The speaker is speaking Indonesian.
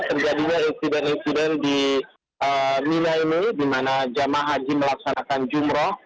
terjadinya insiden insiden di mina ini di mana jemaah haji melaksanakan jumroh